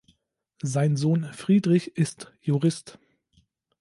Sein Sohn Friedrich ist Jurist.